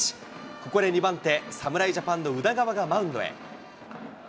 ここで２番手、侍ジャパンの宇田川がマウンドへ。